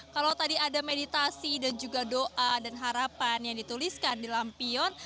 kalau tadi ada meditasi dan juga doa dan harapan yang dituliskan di lampion